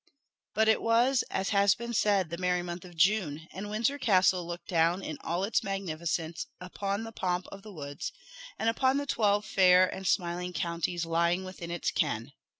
But it was, as has been said, the merry month of June, and Windsor Castle looked down in all its magnificence upon the pomp of woods, and upon the twelve fair and smiling counties lying within its ken.